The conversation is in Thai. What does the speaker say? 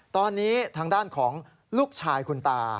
ตอนนี้ทางด้านของลูกชายคุณตา